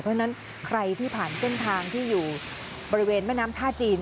เพราะฉะนั้นใครที่ผ่านเส้นทางที่อยู่บริเวณแม่น้ำท่าจีน